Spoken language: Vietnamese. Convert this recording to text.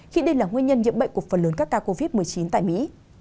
khi đây là nguyên nhân nhiễm bệnh của phần lớn các ca covid một mươi chín tại mỹ